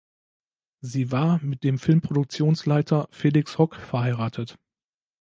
Sie war mit dem Filmproduktionsleiter Felix Hock verheiratet.